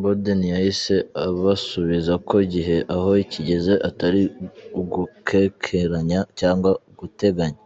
Boden yahise abasubiza ko igihe aho kigeze atari ugukekeranya cg guteganya.